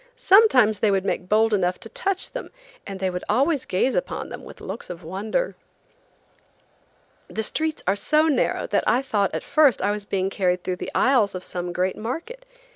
Sometimes they would make bold enough to touch them, and they would always gaze upon them with looks of wonder. The streets are so narrow that I thought at first I was being carried through the aisles of some great market.